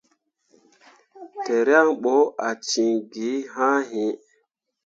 Tǝrwaŋ bo ah cin gi haa yĩĩ.